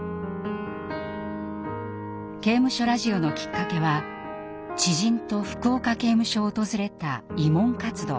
刑務所ラジオのきっかけは知人と福岡刑務所を訪れた慰問活動。